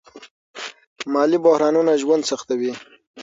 مالي بحرانونه ژوند سختوي.